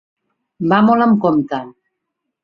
Va molt amb compte.